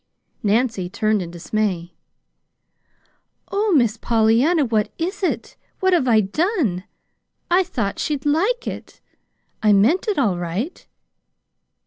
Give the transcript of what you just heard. Nancy turned in dismay. "Oh, Miss Pollyanna, what is it? What have I done? I thought she'd LIKE it. I meant it all right!"